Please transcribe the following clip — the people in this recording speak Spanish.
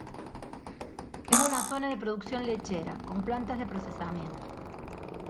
Es una zona de producción lechera, con plantas de procesamiento.